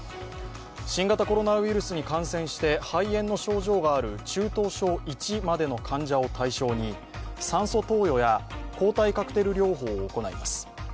新型コロナウイルスに感染して肺炎の症状がある中等症Ⅰまでの患者を対象に酸素投与や抗体カクテル療法を行います。